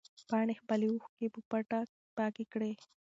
پاڼې خپلې اوښکې په پټه پاکې کړې.